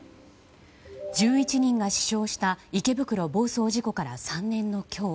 １１人が死傷した池袋暴走事故から３年の今日